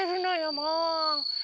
もう。